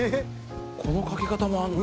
このかけ方もあるんだ。